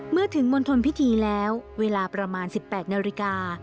เมื่อถึงมณฑลพิธีแล้วเวลาประมาณ๑๘นาฬิกา